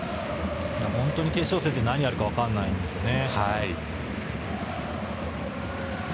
本当に決勝戦って何があるか分からないですよね。